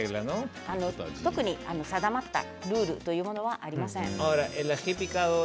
特に定まったルールというものはありません。